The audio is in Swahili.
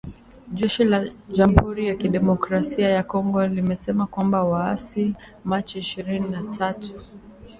Jeshi la Jamuhuri ya kidemokrasia ya Kongo lilisema kwamba waasi wa Machi ishirini na tatu